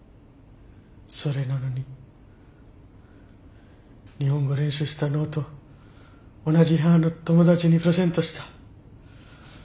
それなのに日本語練習したノート同じ部屋の友達にプレゼントした。